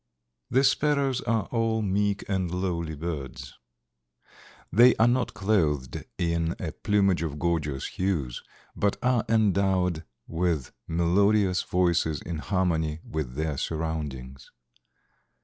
_) "The sparrows are all meek and lowly birds." They are not clothed in a plumage of gorgeous hues, but are endowed with melodious voices in harmony with their surroundings.